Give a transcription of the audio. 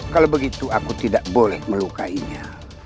kalau begitu aku tidak boleh melukainya